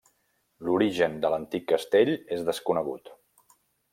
L'origen de l'antic castell és desconegut.